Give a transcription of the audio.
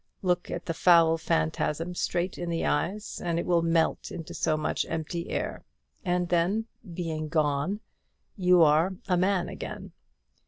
Look at the foul phantasm straight in the eyes, and it will melt into so much empty air; and then, 'being gone,' you are 'a man again.'